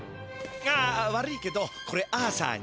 ああ悪いけどこれアーサーに。